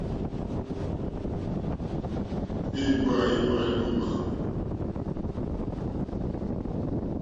Íŋɡbâ émá ílómǎ.